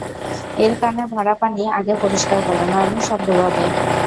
এর কানে ভরা পানি আগে পরিষ্কার করো, নইলে সব ডুবাবে।